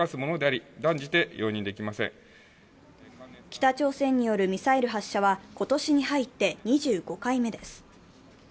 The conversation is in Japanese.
北朝鮮によるミサイル発射は今年に入って２５回目です。